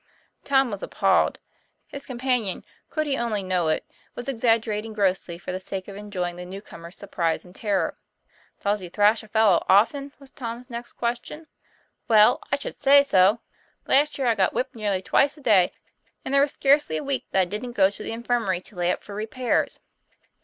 Tom was appalled. His companion, could he only know it, was exaggerating grossly for the sake of enjoying the new comer's surprise and terror. " Does he thrash a fellow often?" was Tom's next question. 'Well, I should say so! last year I got whipped nearly twice a day, and there was scarcely a week that I didn't go to the infirmary to lay up for repairs.